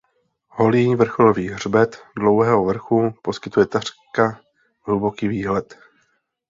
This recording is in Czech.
Holý vrcholový hřbet Dlouhého vrchu poskytuje takřka kruhový výhled.